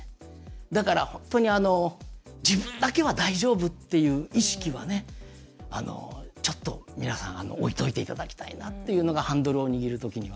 だから、本当に自分だけは大丈夫っていう意識は、ちょっと皆さん置いといていただきたいなというのがハンドルを握るときには。